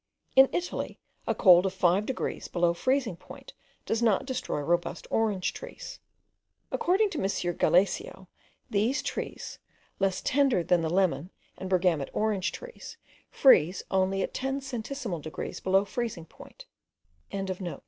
In Italy a cold of 5 degrees below freezing point does not destroy robust orange trees. According to M. Galesio, these trees, less tender than the lemon and bergamot orange trees, freeze only at ten centesimal degrees below freezing point.)